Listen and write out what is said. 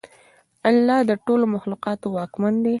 الله د ټولو مخلوقاتو واکمن دی.